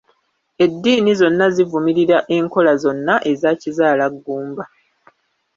Eddiini zonna zivumirira enkola zonna eza kizaalagumba.